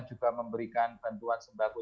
juga memberikan bantuan sembako